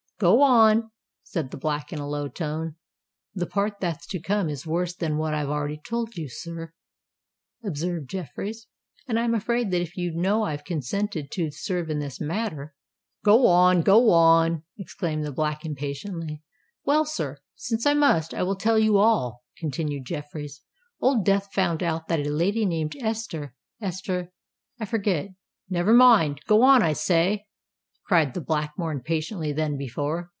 "Go on," said the Black, in a low tone. "The part that's to come is worse than what I've already told you, sir," observed Jeffreys; "and I am afraid that if you know I consented to serve in the matter——" "Go on—go on," exclaimed the Black, impatiently. "Well, sir—since I must, I will tell you all," continued Jeffreys. "Old Death has found out that a lady, named Esther—Esther—I forget——" "Never mind! Go on, I say," cried the Black, more impatiently than before.